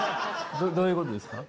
どういうことですか？